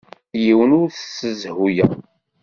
Yiwen ur t-ssezhuyeɣ.